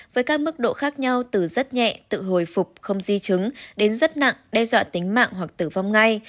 với các mức độ khác nhau từ rất nhẹ tự hồi phục không di chứng đến rất nặng đe dọa tính mạng hoặc tử vong ngay